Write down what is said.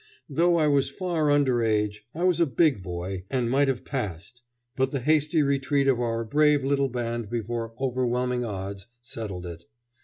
Though I was far under age, I was a big boy, and might have passed; but the hasty retreat of our brave little band before overwhelming odds settled it.